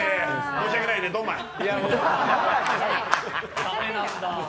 申し訳ないね、ドンマイ。